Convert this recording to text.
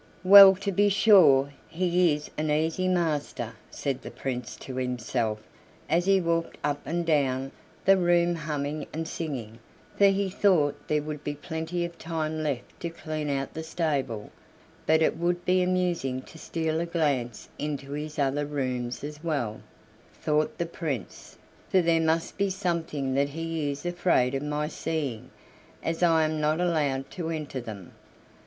"Well to be sure, he is an easy master!" said the Prince to himself as he walked up and down the room humming and singing, for he thought there would be plenty of time left to clean out the stable; "but it would be amusing to steal a glance into his other rooms as well," thought the Prince, "for there must be something that he is afraid of my seeing, as I am not allowed to enter them."